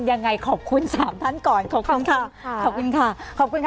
ยังไงขอบคุณ๓ท่านก่อน